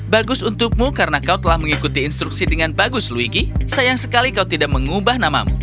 bagus untukmu karena kau telah mengikuti instruksi dengan bagus luigi sayang sekali kau tidak mengubah namamu